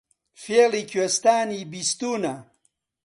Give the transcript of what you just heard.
فێڵی کوێستانی بیستوونە